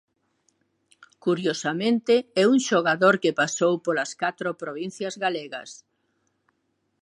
Curiosamente é un xogador que pasou polas catro provincias galegas.